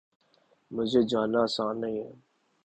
مجھے جاننا آسان نہیں ہے